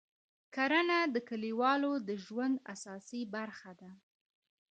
کرنه د کلیوالو د ژوند اساسي برخه ده